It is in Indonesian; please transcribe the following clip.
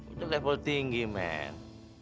udah level tinggi men